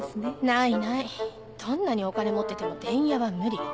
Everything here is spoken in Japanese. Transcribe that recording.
ないないどんなにお金持ってても伝弥は無理